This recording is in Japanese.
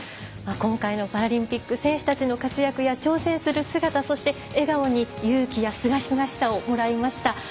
今回のパラリンピック選手たちの活躍や挑戦する姿そして、笑顔に勇気やすがすがしさをもらいました。